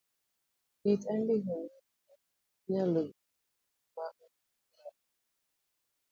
Kit andike bendo nyalo bedo ma ondiki madong'o.